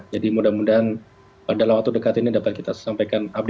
jadi mudah mudahan dalam waktu dekat ini dapat kita sampaikan update nya kembali